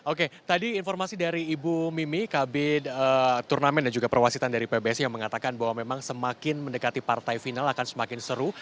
oke tadi informasi dari ibu mimi kb turnamen dan juga perwasitan dari pbsi yang mengatakan bahwa memang semakin mendekati partai final akan semakin seru